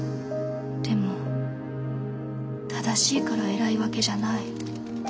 でも正しいから偉いわけじゃない。